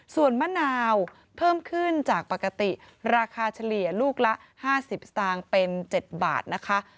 ส่วนมะนาวเพิ่มขึ้นจากปกติราคาเฉลี่ยลูกละ๕๐สตางค์เป็น๗บาทนะคะ